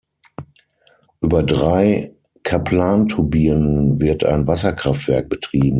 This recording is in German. Über drei Kaplanturbinen wird ein Wasserkraftwerk betrieben.